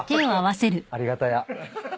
ありがたや。